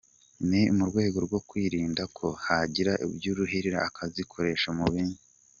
Ni mu rwego rwo kwirinda ko hagira ubyuririraho akazikoresha mu bindi.